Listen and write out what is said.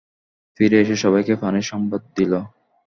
ফিরে এসে সবাইকে পানির সংবাদ দিল।